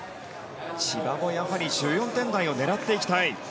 千葉も、やはり１４点台を狙っていきたい。